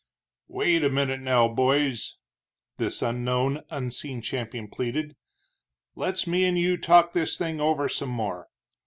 "Wait a minute now, boys," this unknown, unseen champion pleaded, "let's me and you talk this thing over some more.